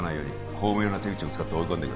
巧妙な手口を使って追い込んでく